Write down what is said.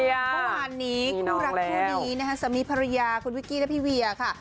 เพราะวันนี้คุณรักผู้ดีนะครับสมียภรรยาคุณวิกกี้และพี่เวียค่ะ